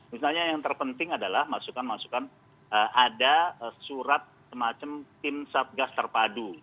misalnya yang terpenting adalah masukan masukan ada surat semacam tim satgas terpadu